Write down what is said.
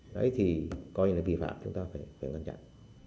đấy thì coi như là bị phạm